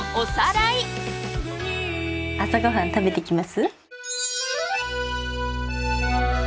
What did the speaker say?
朝ご飯食べていきます？